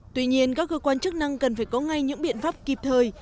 tuy nhiên các cơ quan chức năng cần phải có ngay những biện pháp kịp thời